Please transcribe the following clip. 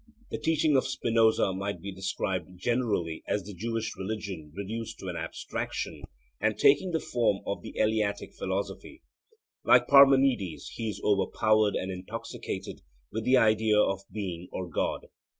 The teaching of Spinoza might be described generally as the Jewish religion reduced to an abstraction and taking the form of the Eleatic philosophy. Like Parmenides, he is overpowered and intoxicated with the idea of Being or God.